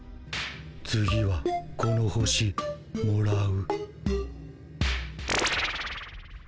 次はこの星もらう。